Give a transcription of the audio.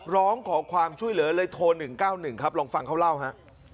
ร้องขอความช่วยเหลือเลยโทร๑๙๑ครับลองฟังเขาเล่าฮะ